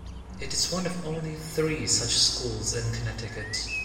It is one of only three such schools in Connecticut.